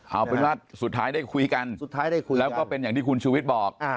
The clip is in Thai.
เอาเป็นว่าสุดท้ายได้คุยกันแล้วก็เป็นอย่างที่คุณชูวิตบอก